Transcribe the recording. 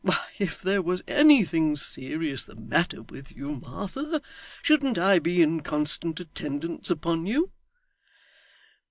Why, if there was anything serious the matter with you, Martha, shouldn't I be in constant attendance upon you?